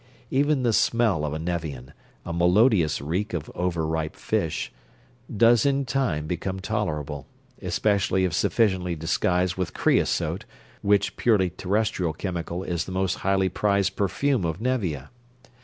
Even the smell of a Nevian a malodorous reek of over ripe fish does in time become tolerable, especially if sufficiently disguised with creosote, which purely Terrestrial chemical is the most highly prized perfume of Nevia.